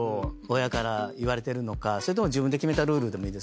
親から言われてるのかそれとも自分で決めたルールでもいい。